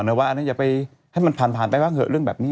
เราจะไปให้มันผ่านไปบ้างเผื่อเรื่องนี้